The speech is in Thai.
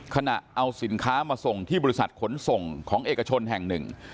ขณะเอาสินค้ามาส่งที่บริษัทขนส่งของเอกชนแห่งหนึ่ง